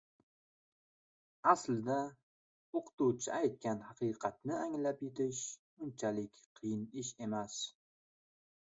Aslida, oʻqituvchi aytgan haqiqatni anglab yetish unchalik qiyin ish emas.